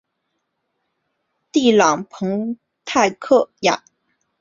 蒂朗蓬泰雅克。